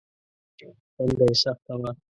تنده يې سخته وه.